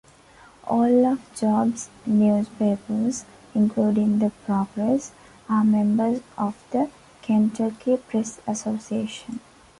All of Jobe's newspapers, including the Progress, are members of the Kentucky Press Association.